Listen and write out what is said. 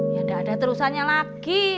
ya enggak ada terusannya lagi pieto